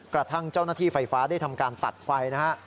กระทั่งเจ้าหน้าที่ไฟฟ้าได้ทำการตัดไฟนะฮะ